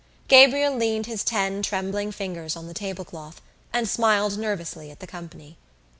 Gabriel leaned his ten trembling fingers on the tablecloth and smiled nervously at the company.